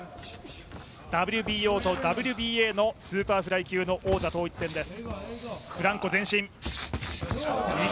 ＷＢＯとＷＢＡのスーパーフライ級の王座統一選です。